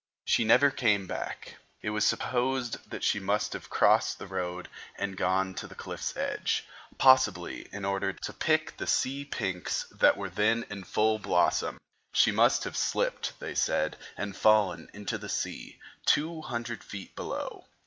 She never came back. It was supposed that she must have crossed the road and gone to the cliff's edge, possibly in order to pick the sea pinks that were then in full blossom. She must have slipped, they said, and fallen into the sea, two hundred feet below.